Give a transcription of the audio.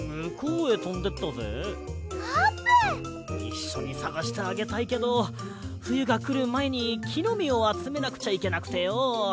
いっしょにさがしてあげたいけどふゆがくるまえにきのみをあつめなくちゃいけなくてよ。